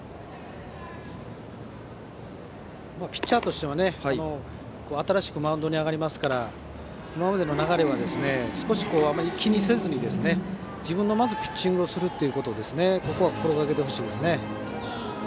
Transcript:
ピッチャーとしては新しくマウンドに上がりますから今までの流れは少し気にせずに自分のピッチングをすることをここは心がけてほしいですね。